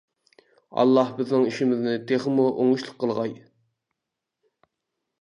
ئاللا بىزنىڭ ئىشىمىزنى تېخىمۇ ئوڭۇشلۇق قىلغاي!